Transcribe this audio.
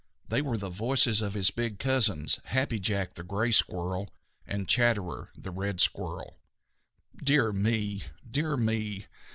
They were the voices of his big cousins, Happy Jack the Gray Squirrel and Chatterer the Red Squirrel. "Dear me! Dear me!